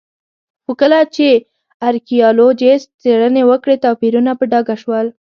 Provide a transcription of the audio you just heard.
خو کله چې ارکيالوجېسټ څېړنې وکړې توپیرونه په ډاګه شول